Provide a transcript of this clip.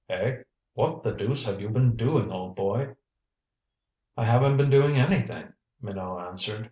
"Eh? What the deuce have you been doing, old boy?" "I haven't been doing anything," Minot answered.